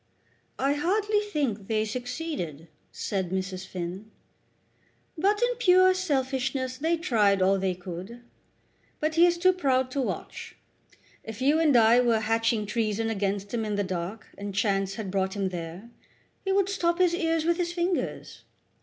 "I hardly think they succeeded," said Mrs. Finn. "But in pure selfishness they tried all they could. But he is too proud to watch. If you and I were hatching treason against him in the dark, and chance had brought him there, he would stop his ears with his fingers.